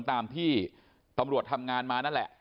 ตามที่ตำรวจทำงานมานั่นแหละ